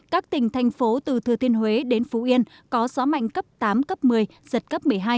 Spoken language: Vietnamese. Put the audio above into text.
các tỉnh thành phố từ thừa thiên huế đến phú yên có gió mạnh cấp tám cấp một mươi giật cấp một mươi hai